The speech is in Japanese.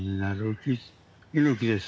猪木です。